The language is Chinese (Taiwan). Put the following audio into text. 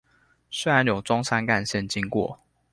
雖然有中山幹線經過